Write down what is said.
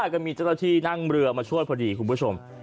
ก็มีเจ้าหน้าที่นั่งเรือมาช่วยพอดีคุณผู้ชม